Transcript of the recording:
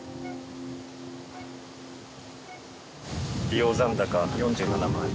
利用残高４７万円。